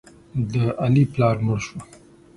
د علي پلار مړ شو.